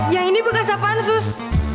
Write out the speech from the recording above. yang ini bekas apaan sus